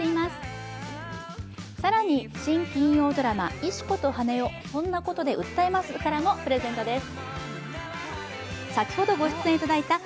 更に新金曜ドラマ「石子と羽男−そんなコトで訴えます？−」からもプレゼントです。